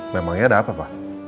memangnya ada apa pak